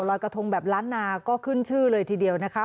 รอยกระทงแบบล้านนาก็ขึ้นชื่อเลยทีเดียวนะคะ